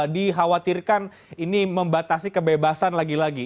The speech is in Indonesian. dikhawatirkan ini membatasi kebebasan lagi lagi